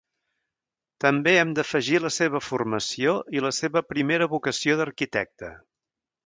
També hem d'afegir la seva formació i la seva primera vocació d'arquitecte.